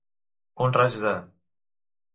Un raig de.